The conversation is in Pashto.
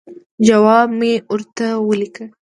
جواب مې ورته ولیکه.